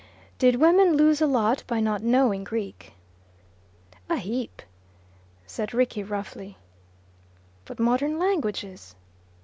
Did women lose a lot by not knowing Greek? "A heap," said Rickie, roughly. But modern languages?